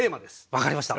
分かりました。